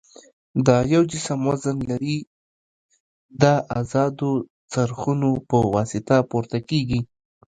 د یو جسم وزن لري د ازادو څرخونو په واسطه پورته کیږي.